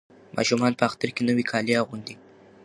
ماشومان په اختر کې نوي کالي اغوندي.